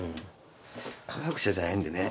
科学者じゃないんでね。